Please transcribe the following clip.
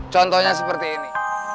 contohnya seperti ini